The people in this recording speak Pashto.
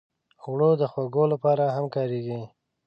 اوړه د خوږو لپاره هم کارېږي